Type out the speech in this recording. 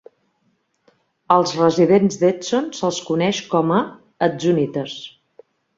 Als residents d'Edson se'ls coneix com a edsonites.